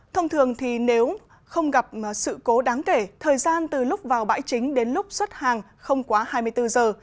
thông thường thì nếu không gặp sự cố đáng kể thời gian từ lúc vào bãi chính đến lúc xuất hàng không quá hai mươi bốn giờ